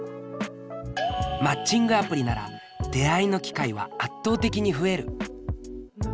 マッチングアプリなら出会いの機会は圧倒的に増える。